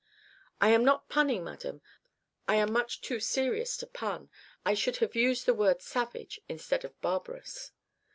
I am not punning, madam; I am much too serious to pun; I should have used the word savage instead of barbarous.